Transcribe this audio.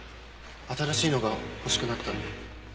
新しいのが欲しくなったので。